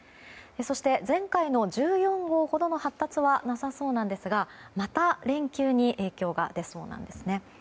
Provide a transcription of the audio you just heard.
そして、前回の１４号ほどの発達はなさそうなんですがまた連休に影響が出そうなんですね。